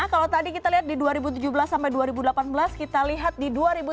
kalau tadi kita lihat di dua ribu tujuh belas sampai dua ribu delapan belas kita lihat di dua ribu sembilan belas